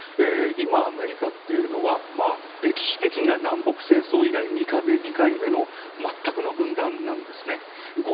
今、アメリカというのは歴史的には南北戦争以来２回目の全くの分断なんですね。